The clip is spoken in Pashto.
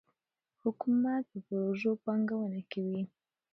حکومت په پروژو پانګونه کوي.